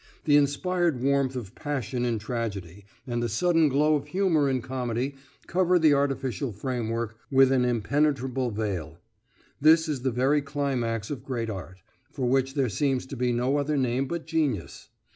The inspired warmth of passion in tragedy and the sudden glow of humour in comedy cover the artificial framework with an impenetrable veil: this is the very climax of great art, for which there seems to be no other name but genius.